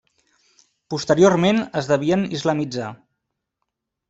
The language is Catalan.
Posteriorment es devien islamitzar.